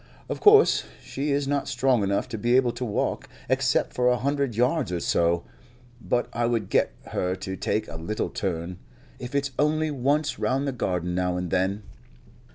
Of course she is not strong enough to be able to walk, except for a hundred yards or so, but I would get her to take a little turn, if it's only once round the garden now and then."